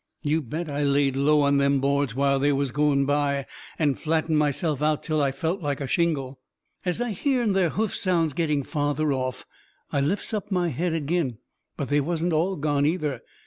You bet I laid low on them boards while they was going by, and flattened myself out till I felt like a shingle. As I hearn their hoof sounds getting farther off, I lifts up my head agin. But they wasn't all gone, either.